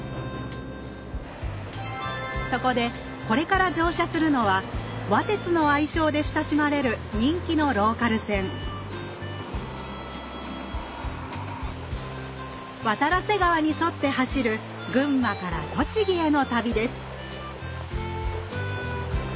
そこでこれから乗車するのは「わ鐵」の愛称で親しまれる人気のローカル線渡良瀬川に沿って走る群馬から栃木への旅です